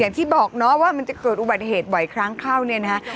อย่างที่บอกเนาะว่ามันจะเกิดอุบัติเหตุบ่อยครั้งเข้าเนี่ยนะฮะ